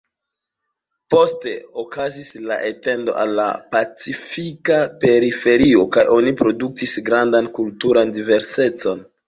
Poste okazis la etendo al la pacifika periferio kaj oni produktis grandan kulturan diversecon.